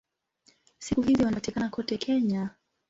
Siku hizi wanapatikana kote Kenya.